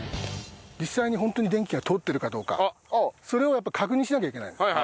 実際にホントに電気が通ってるかどうかそれをやっぱ確認しなきゃいけない。